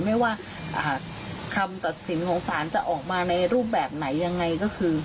ไม่ว่าคำตัดสินของศาลจะออกมาในรูปแบบไหนยังไงก็คือ